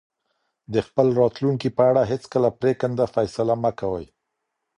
د خپل راتلونکي په اړه هیڅکله پرېکنده فیصله مه کوئ.